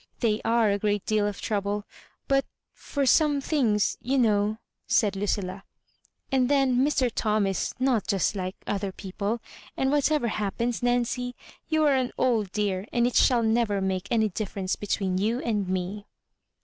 They are a great deal of trouble ; but — ^for some things you know ^ said Lueilla; and then Mr. Tom is not just like other people: and whatever happens, Nancy, you are an old dear, and it shall never make any difference between you and me."